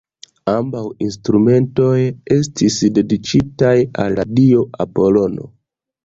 Ambaŭ instrumentoj estis dediĉitaj al la dio Apolono.